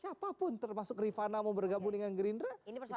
siapapun termasuk rifana mau bergabung dengan gerindra